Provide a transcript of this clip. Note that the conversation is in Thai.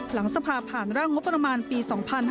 หลังสภาผ่านร่างงบประมาณปี๒๕๕๙